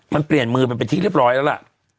มันเปลี่ยนมือมันเป็นที่เรียบร้อยแล้วล่ะ